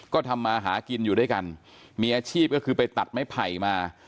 ก็ทำมาหากินอยู่ด้วยกันมีอาชีพก็คือไปตัดไม้ไผ่มา